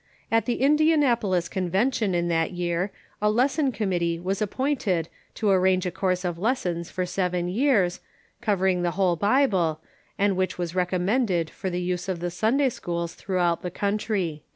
"At the Indian apolis convention in that year, a lesson committee was ap pointed to arrange a course of lessons for seven years, cover ing the whole Bible, and which was recommended for the use of the Sunday schools throughout the country."